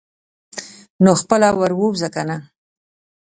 نو خپله ور ووځه کنه.